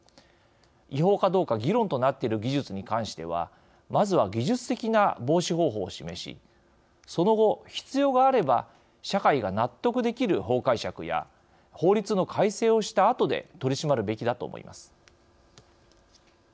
違法かどうか議論となっている技術に関してはまずは技術的な防止方法を示しその後、必要があれば社会が納得できる法解釈や法律の改正をしたあとで取り締まるべきだと思います。